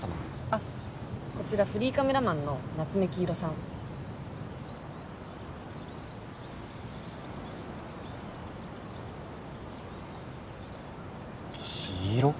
あっこちらフリーカメラマンの夏目きいろさんきいろ？